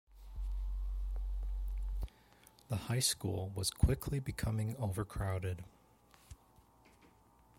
The Highschool was quickly becoming overcrowded.